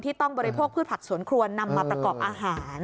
ต้องบริโภคพืชผักสวนครัวนำมาประกอบอาหาร